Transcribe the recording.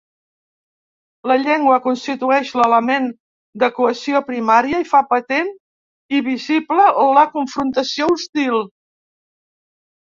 La llengua constitueix l'element de cohesió primària i fa patent i visible la confrontació hostil.